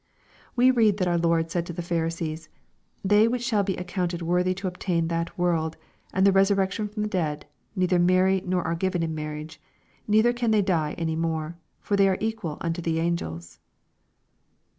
We read that our Lord said to the Pharisees, " They which shall be accounted worthy to obtain that world, and the resurrection from the dead, neither marry nor are given in marriage : neither can they die any more : for they are equal un(a the angels."